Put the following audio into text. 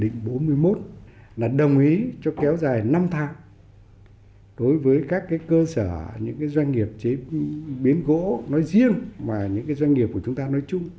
chính phủ đã ban hành nghị định bốn mươi một là đồng ý cho kéo dài năm tháng đối với các cơ sở những doanh nghiệp chế biến gỗ nói riêng và những doanh nghiệp của chúng ta nói chung